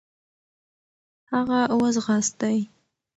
هغه و ځغاستی .